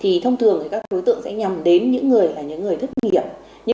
thì thông thường thì các đối tượng nhầm đến người là thân kiểm doanh nghiệp